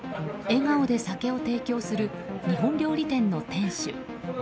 笑顔で酒を提供する日本料理店の店主。